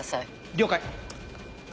了解！